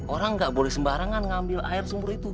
orang nggak boleh sembarangan ngambil air sumur itu